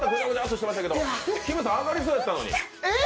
きむさん、上がりそうでしたのに。